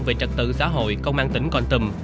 về trật tự xã hội công an tỉnh con tầm